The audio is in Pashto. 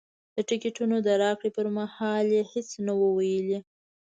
د ټکټونو د راکړې پر مهال یې هېڅ نه وو ویلي.